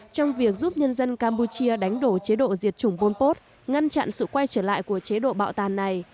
trong việc giúp nhân dân campuchia đánh đổ chế độ diệt chủng pol pot ngăn chặn sự quay trở lại của chế độ bạo tàn này